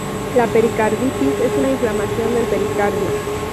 La pericarditis es una inflamación del pericardio.